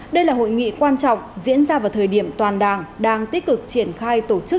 đây là hội nghị quan trọng diễn ra vào thời điểm toàn đảng đang tích cực triển khai tổ chức